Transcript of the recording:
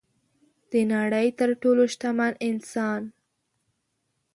د نړۍ تر ټولو شتمن انسان